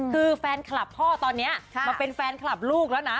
คือแฟนคลับพ่อตอนนี้มาเป็นแฟนคลับลูกแล้วนะ